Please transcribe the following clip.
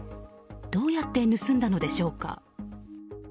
どうやって盗んだのでしょうか。